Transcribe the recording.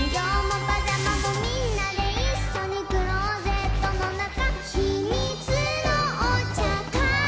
「みんなでいっしょにクローゼットのなか」「ひみつのおちゃかい」